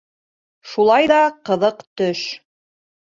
Шулай ҙа ҡыҙыҡ төш.